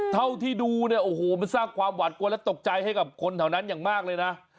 เท่าที่ดูเนี่ยโอ้โหมันสร้างความหวาดกลัวและตกใจให้กับคนแถวนั้นอย่างมากเลยนะ